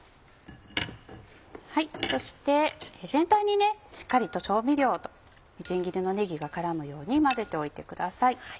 そして全体にしっかりと調味料とみじん切りのねぎが絡むように混ぜておいてください。